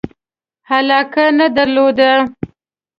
علاقه نه درلوده.